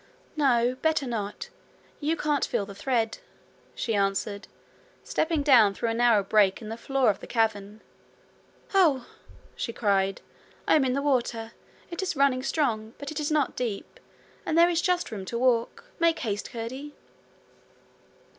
'No; better not. You can't feel the thread,' she answered, stepping down through a narrow break in the floor of the cavern. 'Oh!' she cried, 'I am in the water. It is running strong but it is not deep, and there is just room to walk. Make haste, Curdie.'